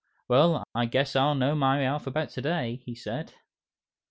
"Well, I guess I'll know my alphabet to day," he said.